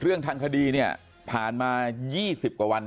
เรื่องทางคดีเนี่ยผ่านมา๒๐กว่าวัน